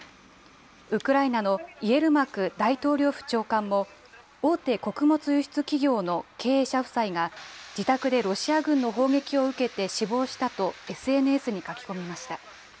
ウクライナのイエルマク大統領府長官も、大手穀物輸出企業の経営者夫妻が、自宅でロシア軍の砲撃を受けて死亡したとＳＮＳに書き込みました。